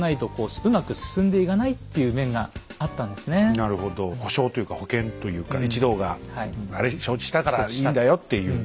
なるほど保証というか保険というかね一同があれ承知したからいいんだよっていう。